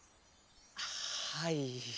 はい。